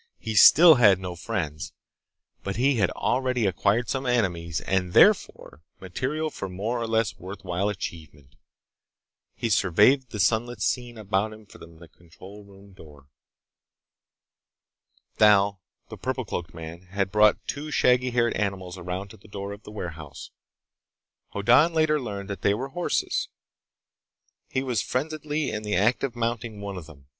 He still had no friends, but he had already acquired some enemies and therefore material for more or less worthwhile achievement. He surveyed the sunlit scene about him from the control room door. Thal, the purple cloaked man, had brought two shaggy haired animals around to the door of the warehouse. Hoddan later learned that they were horses. He was frenziedly in the act of mounting one of them.